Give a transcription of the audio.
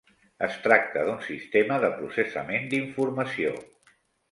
Es tracta d'un sistema de processament d'informació.